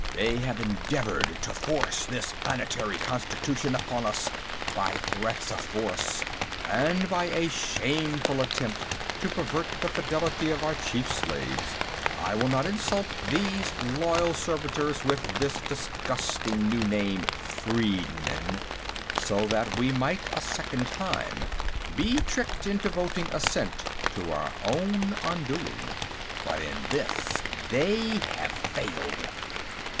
They have endeavored to force this planetary constitution upon us by threats of force, and by a shameful attempt to pervert the fidelity of our chief slaves I will not insult these loyal servitors with this disgusting new name, freedmen so that we might, a second time, be tricked into voting assent to our own undoing. But in this, they have failed.